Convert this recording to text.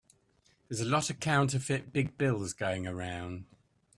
There's a lot of counterfeit big bills going around.